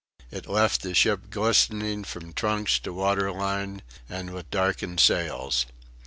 It left the ship glistening from trucks to water line, and with darkened sails.